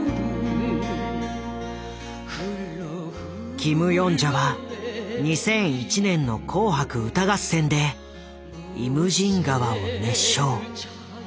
キム・ヨンジャは２００１年の紅白歌合戦で「イムジン河」を熱唱。